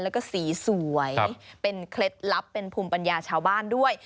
แล้วก็สีสวยเป็นเคล็ดลับเป็นภูมิปัญญาชาวบ้านด้วย